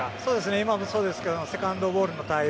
今もそうですがセカンドボールの対応。